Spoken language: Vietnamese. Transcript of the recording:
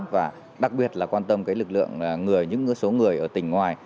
và đặc biệt là quan tâm lực lượng người những số người ở tỉnh ngoài